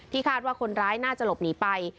คาดว่าคนร้ายน่าจะหลบหนีไป